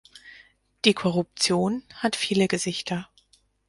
Die Korruption hat viele Gesichter.